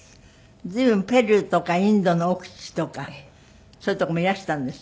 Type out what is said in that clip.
随分ペルーとかインドの奥地とかそういうとこもいらしたんですって？